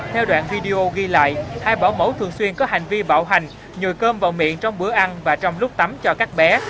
theo đoạn video ghi lại hai bảo mẫu thường xuyên có hành vi bạo hành nhồi cơm vào miệng trong bữa ăn và trong lúc tắm cho các bé